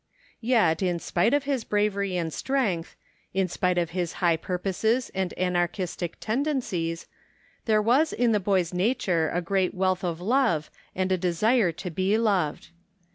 Yet in spite of his bravery and strength, in spite of his high purposes and anarchistic tendencies, there was in the boy's nature a great wealth of love and a 143 THE FINDING OF JASPER HOLT desire to be loved.